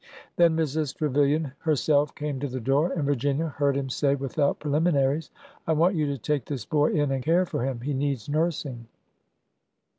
Then Mrs. Trevilian herself came to the door, and Vir ginia heard him say without preliminaries, I want you to take this boy in and care for him. He needs nursing."